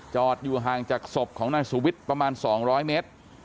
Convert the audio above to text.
จอดอยู่ห่างจากศพของนายประมาณสองร้อยเม็ด